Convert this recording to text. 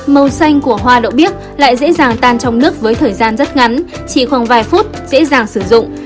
màu xanh của hoa đậu bích lại dễ dàng tan trong nước với thời gian rất ngắn chỉ khoảng vài phút dễ dàng sử dụng